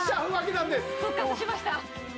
復活しました！